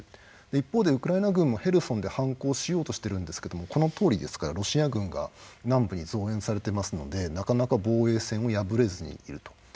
一方でウクライナ軍もヘルソンで反攻しようとしているんですがこのとおりですからロシア軍が南部に増員されてますのでなかなか防衛線を破れずにいると。